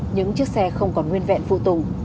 những chiếc xe không còn nguyên vẹn phụ tùng